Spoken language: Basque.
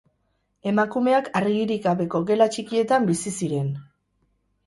Emakumeak argirik gabeko gela txikietan bizi ziren.